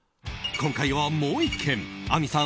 今回はもう１軒亜美さん